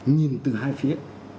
nhìn từ hai phía